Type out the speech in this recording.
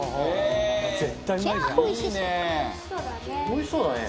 おいしそうだね。